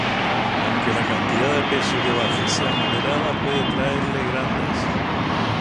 aunque la cantidad de peso que baje sea moderada puede traerle grandes